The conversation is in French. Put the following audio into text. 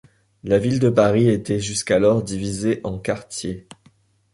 La ville de Paris était jusqu'alors divisée en quartiers.